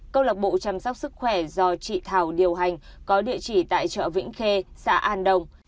câu lạc bộ chăm sóc sức khỏe do chị thảo điều hành có địa chỉ tại chợ vĩnh khê xã an đồng